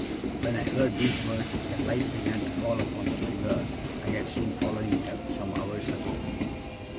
When I heard these words, a light began to fall upon the figure I had seen following them, some hours ago.